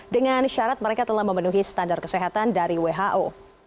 dengan syarat mereka telah memenuhi standar kesehatan dari who